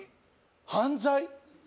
犯罪？